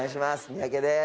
三宅です